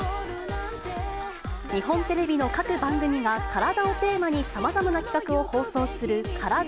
日本テレビの各番組が体をテーマにさまざまな企画を放送するカラダ